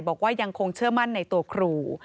บอกว่ายังคงเชื่อมั่นในตัวครู